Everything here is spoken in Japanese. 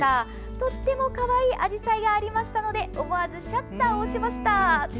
とてもかわいいアジサイがありましたので思わずシャッターを押しました。